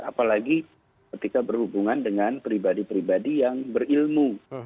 apalagi ketika berhubungan dengan pribadi pribadi yang berilmu